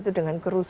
tidak ada kondisi